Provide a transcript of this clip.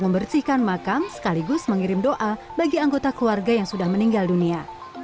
membersihkan makam sekaligus mengirim doa bagi anggota keluarga yang sudah meninggal dunia